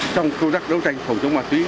trong công tác đấu tranh phòng chống ma túy